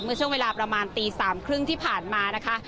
เมื่อช่วงเวลาประมาณตี๓๓๐ที่ผ่านมานะคะ